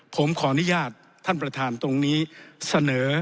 ผมขออนุญาตท่านประธานตรงนี้เสนอ